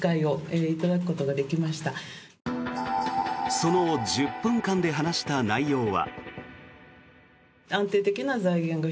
その１０分間で話した内容は？